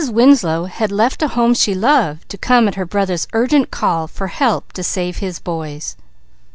Winslow had left a home she loved to come at her brother's urgent call for help to save his boys.